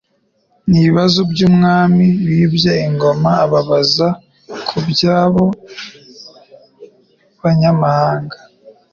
n'ibibazo by'uwo mwami wibye ingoma ababaza kuby'abo banyamahanga.